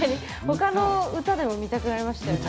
他の歌でも見たくなりましたよね。